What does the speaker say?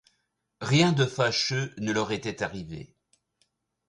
Rien de fâcheux ne leur était arrivé.